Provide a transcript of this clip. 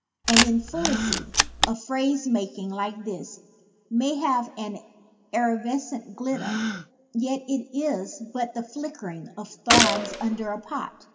An infelicity of phrasemaking like this may have an evanescent glitter, yet it is but the flickering of thorns under a pot.